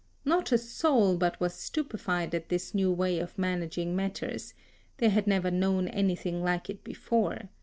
Not a soul but was stupefied at this new way of managing matters; they had never known anything like it before.